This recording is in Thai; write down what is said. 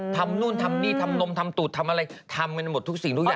นู่นทำนี่ทำนมทำตูดทำอะไรทำกันหมดทุกสิ่งทุกอย่าง